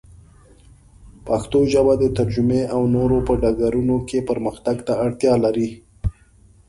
پښتو ژبه د ترجمې او نورو په ډګرونو کې پرمختګ ته اړتیا لري.